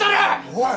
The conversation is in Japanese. おい！